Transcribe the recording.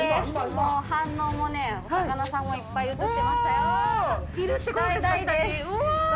もう、反応もね、お魚さんもいっぱい写ってますよ。